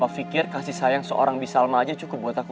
fikir kasih sayang seorang bisalma aja cukup buat aku